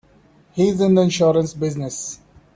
He's in the insurance business.